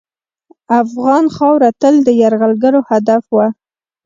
افغان خاوره تل د یرغلګرو هدف وه.